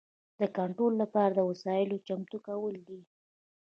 د کنټرول لپاره د وسایلو چمتو کول دي.